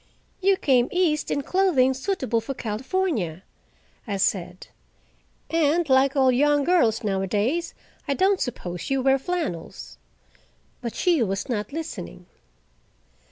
"You came east in clothing suitable for California," I said, "and, like all young girls nowadays, I don't suppose you wear flannels." But she was not listening.